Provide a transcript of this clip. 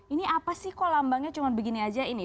ini apa sih kok lambangnya cuma begini aja ini